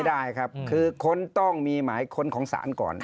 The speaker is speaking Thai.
ได้ครับคือค้นต้องมีหมายค้นของศาลก่อน